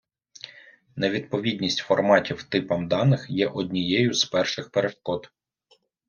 Невідповідність форматів типам даних є однією з перших перешкод.